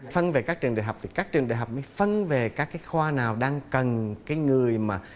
phân về các trường đại học thì các trường đại học mới phân về các cái khoa nào đang cần cái người mà